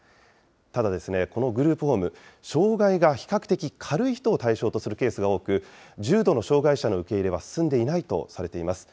ただ、このグループホーム、障害が比較的軽い人を対象とするケースが多く、重度の障害者の受け入れは進んでいないとされています。